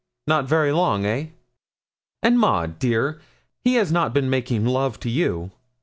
Not very long, eh? And, Maud, dear, he has not been making love to you?